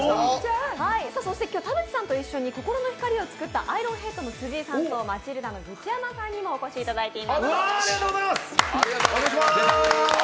そして今日、田渕さんと一緒に「心の光」を作ったアイロンヘッドの辻井さんとマチルダのグチヤマさんにもお越しいただいています。